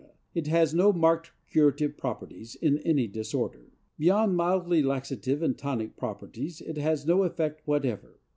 It has no marked curative properties in any disorder. Beyond mildly laxative and tonic properties it has no effect whatever.